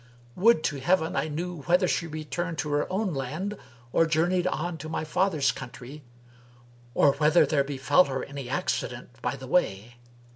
Would to Heaven I knew whether she returned to her own land or journeyed on to my father's country or whether there befel her any accident by the way."